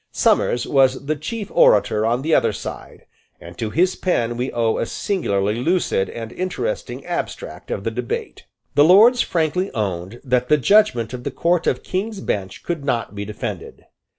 Somers was the chief orator on the other side; and to his pen we owe a singularly lucid and interesting abstract of the debate. The Lords frankly owned that the judgment of the Court of King's Bench could not be defended.